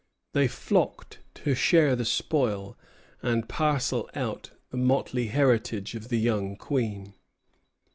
They flocked to share the spoil, and parcel out the motley heritage of the young Queen.